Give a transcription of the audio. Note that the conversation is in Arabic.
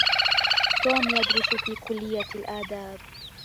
توم يدرس في كلّية الآداب.